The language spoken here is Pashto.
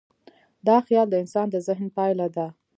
دا خیال د انسان د ذهن پایله ده.